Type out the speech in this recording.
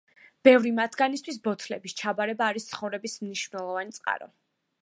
ბევრი მათგანისთვის ბოთლების ჩაბარება არის ცხოვრების მნიშვნელოვანი წყარო.